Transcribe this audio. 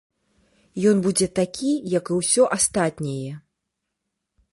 Ён будзе такі, як і ўсё астатняе.